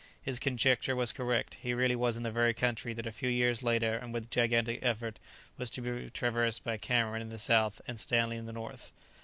His conjecture was correct; he really was in the very country that a few years later and with gigantic effort was to be traversed by Cameron in the south and Stanley in the north.